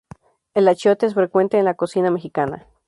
El achiote es frecuente en la cocina mexicana.